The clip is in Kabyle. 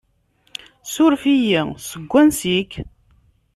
Suref-iyi, seg wansi-k?